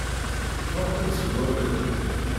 Ffɣemt-d seg waman.